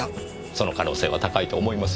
その可能性は高いと思いますよ。